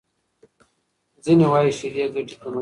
ځینې وايي شیدې ګټې کموي.